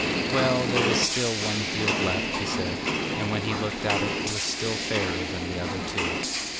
'Well, there is still one field left,' he said, and when he looked at it, it was still fairer than the other two.